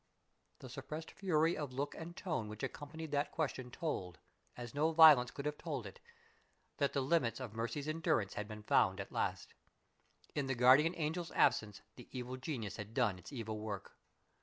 _" The suppressed fury of look and tone which accompanied that question told, as no violence could have told it, that the limits of Mercy's endurance had been found at last. In the guardian angel's absence the evil genius had done its evil work.